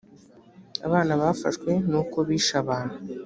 abana bafashwe n uko bishe abantu